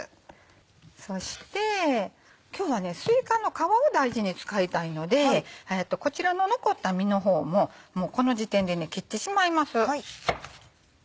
そして今日はすいかの皮を大事に使いたいのでこちらの残った実の方ももうこの時点で切ってしまいます。